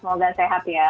semoga sehat ya